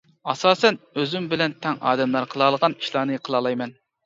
ئاساسەن ئۈزۈم بىلەن تەڭ ئادەملەر قىلالىغان ئىشلارنى قىلالايمەن.